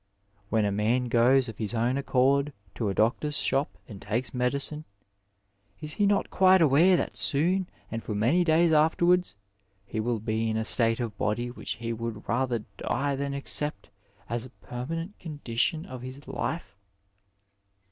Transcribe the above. ^' When a man goes of his own accord to a doctor's shop and takes medicine, is he not quite aware that soon and for many days afterwards, he will be in a state of body which he would rather die than accept as a permanent condition of his life